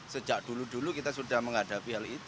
sejak dulu dulu kita sudah menghadapi hal itu